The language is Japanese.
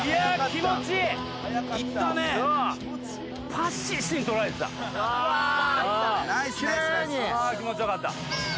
気持ち良かった。